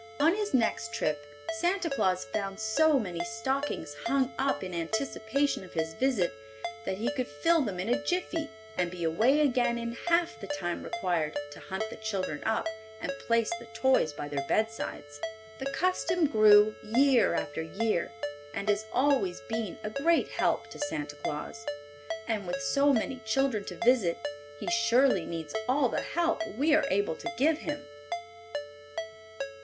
On his next trip Santa Claus found so many stockings hung up in anticipation of his visit that he could fill them in a jiffy and be away again in half the time required to hunt the children up and place the toys by their bedsides. The custom grew year after year, and has always been a great help to Santa Claus. And, with so many children to visit, he surely needs all the help we are able to give him.